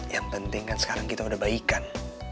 yang penting kan sekarang kita udah baikan